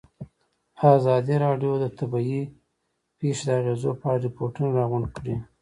ازادي راډیو د طبیعي پېښې د اغېزو په اړه ریپوټونه راغونډ کړي.